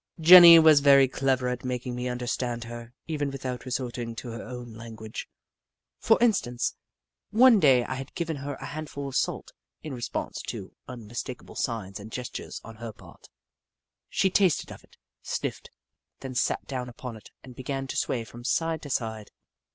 Jenny was very clever at making me under stand her, even without resorting to her own language. For instance, one day I had given her a handful of salt, in response to unmis takable signs and gestures on her part. She iQo The Book of Clever Beasts tasted of it, sniffed, then sat down upon it and began to sway from side to side.